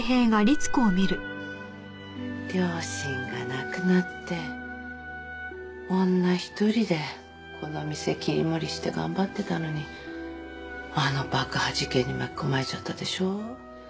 両親が亡くなって女一人でこの店切り盛りして頑張ってたのにあの爆破事件に巻き込まれちゃったでしょ。